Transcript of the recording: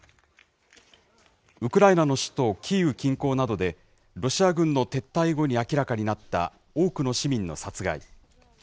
ウクライナの首都キーウ近郊などで、ロシア軍の撤退後に明らかになった多くの市民の殺害。